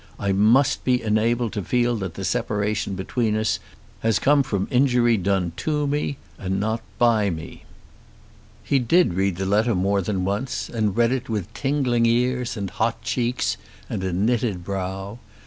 I must be enabled to feel that the separation between us has come from injury done to me, and not by me. He did read the letter more than once, and read it with tingling ears, and hot cheeks, and a knitted brow.